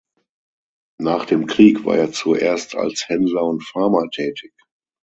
Nach dem Krieg war er zuerst als Händler und Farmer tätig.